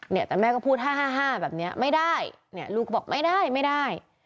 เนี่ยแต่แม่ก็พูดฮ่าแบบเนี่ยไม่ได้ลูกก็บอกไม่ได้ไม่ได้